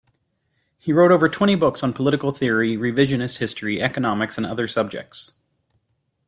He wrote over twenty books on political theory, revisionist history, economics, and other subjects.